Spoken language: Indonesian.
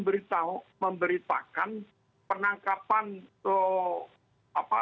media pun lebih suka memberitakan penangkapan narkoba teroris atau apa